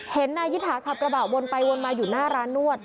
เห็นนายยิทราขับกระเป๋าวนไปวนมาอยู่หน้าร้านนวด